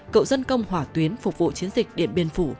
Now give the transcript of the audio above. cựu dân công hỏa tuyến phục vụ chiến dịch điện biên phủ